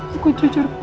aku jujur padanya